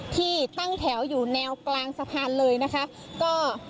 ที่ตั้งแถวอยู่แนวกลางสะพานเลยนะคะก็